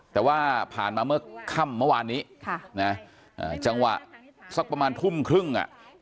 แต่ว่าผ่านมาเมื่อค่ำเมื่อวานนี้จังหวะสักประมาณทุ่มครึ่งอ่ะ